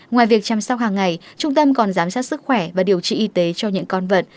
ngoài việc chăm sóc hàng ngày trung tâm còn giám sát sức khỏe và điều trị y tế cho những con vật